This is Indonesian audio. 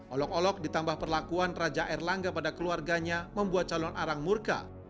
olok olok ditambah perlakuan raja erlangga pada keluarganya membuat calon arang murka